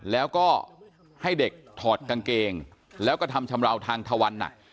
แล้วก็ให้เด็กถอดกางเกงแล้วก็ทำชำราวทางทวันหนัก